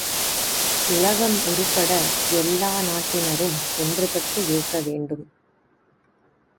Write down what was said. உலகம் உருப்பட எல்லா நாட்டினரும் ஒன்றுபட்டு இருக்க வேண்டும்.